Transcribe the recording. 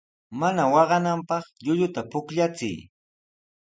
Mana waqananpaq llulluta pukllachiy.